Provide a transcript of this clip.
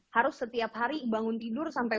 harus setiap hari bangun tidur sampai